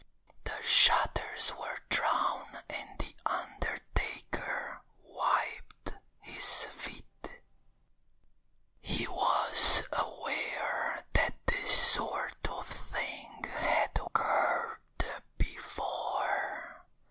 The shutters were drawn and the undertaker wiped his feet He was aware that this sort of thing had occurred before.